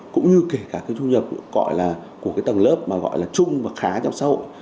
cũng như kể cả cái thu nhập gọi là của cái tầng lớp mà gọi là chung và khá trong xã hội